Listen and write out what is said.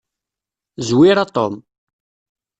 Zwir a Tom.